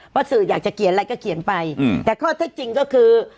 เพราะสื่ออยากจะเขียนอะไรก็เขียนไปแต่ข้อเท็จจริงก็คือ